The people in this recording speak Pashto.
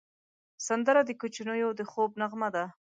سندره د کوچنیو د خوب نغمه ده